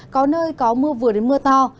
có nơi có mưa vừa đến mưa to